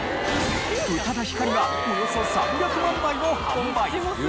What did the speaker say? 宇多田ヒカルはおよそ３００万枚を販売。